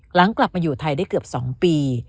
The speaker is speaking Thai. หลังกลับมาอยู่ไทยได้เกือบ๒ปี